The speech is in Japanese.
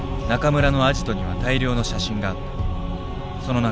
中村のアジトには大量の写真があった。